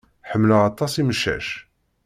Ḥemmleɣ aṭas imcac.